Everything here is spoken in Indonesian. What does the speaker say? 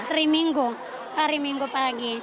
hari minggu hari minggu pagi